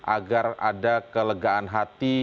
agar ada kelegaan hati